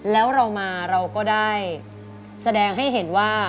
แล้วเรามาเราก็ได้แสดงให้เห็นว่า